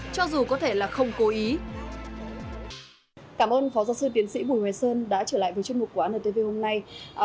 cho dù có thể là không cố ý